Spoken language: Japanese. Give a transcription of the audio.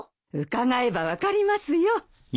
伺えば分かりますよ。